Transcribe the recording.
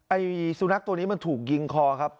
อายุยีซูนักตัวนี้มันถูกยิงคอครับ